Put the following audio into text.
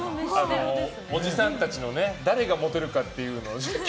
おじさんたちの誰がモテるかっていうのを。